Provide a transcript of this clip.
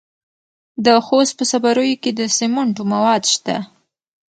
د خوست په صبریو کې د سمنټو مواد شته.